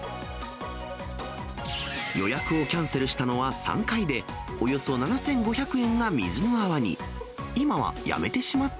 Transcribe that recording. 予約をキャンセルしたのは３回で、およそ７５００円が水の泡に。